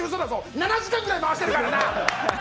７時間ぐらい回してるからな！